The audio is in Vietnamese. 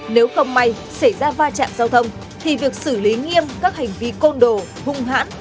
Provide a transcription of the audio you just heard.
nếu không may xảy ra va chạm giao thông thì việc xử lý nghiêm các hành vi côn đồ hung hãn